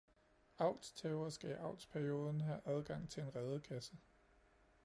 Avlstæver skal i avlsperioden have adgang til en redekasse.